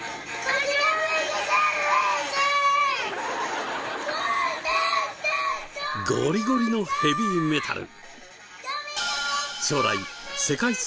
こちらゴリゴリのヘビーメタル。